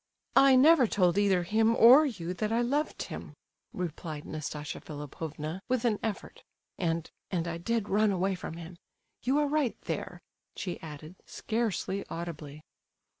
"I never told either him or you that I loved him!" replied Nastasia Philipovna, with an effort. "And—and I did run away from him—you are right there," she added, scarcely audibly.